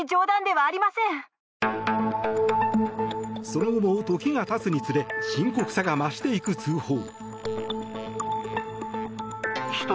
その後も時が経つにつれ深刻さが増していく通報。